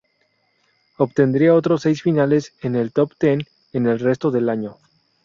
Obtendría otros seis finales en el top ten en el resto del año.